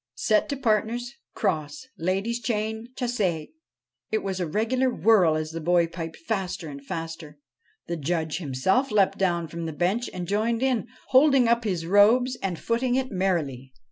Set to partners cross ladies' chain chasse" I It was a regular whirl as the boy piped faster and faster. The Judge himself leapt down from the bench and joined in, holding up his robes and footing it merrily.